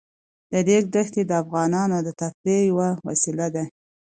د ریګ دښتې د افغانانو د تفریح یوه وسیله ده.